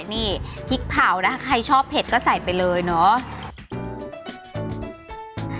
นี่พริกเผานะใครชอบเผ็ดก็ใส่ไปเลยเนาะ